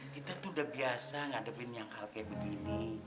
kita tuh udah biasa ngadepin yang hal kayak begini